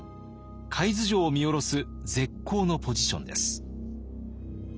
海津城を見下ろす絶好のポジションです。